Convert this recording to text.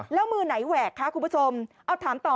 แล้วมือไหนแหวกคะคุณผู้ชมเอาถามต่อ